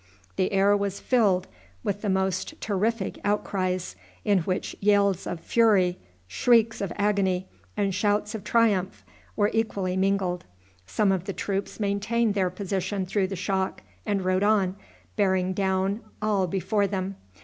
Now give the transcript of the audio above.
The air was filled with the most terrific outcries, in which yells of fury, shrieks of agony, and shouts of triumph were equally mingled. Some of the troops maintained their position through the shock, and rode on, bearing down all before them.